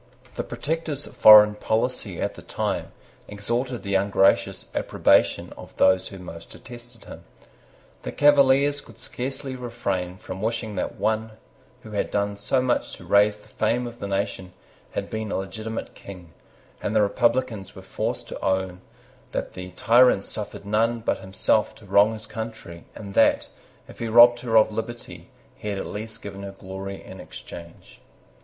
The Protector's foreign policy at the same time extorted the ungracious approbation of those who most detested him. The Cavaliers could scarcely refrain from wishing that one who had done so much to raise the fame of the nation had been a legitimate King; and the Republicans were forced to own that the tyrant suffered none but himself to wrong his country, and that, if he had robbed her of liberty, he had at least given her glory in exchange.